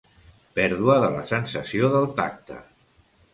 Pèrdua de la sensació del tacte.